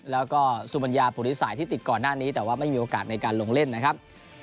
แล้วก็สุบัญญาปุริสัยที่ติดก่อนหน้านี้แต่ว่าไม่มีโอกาสในการลงเล่นนะครับ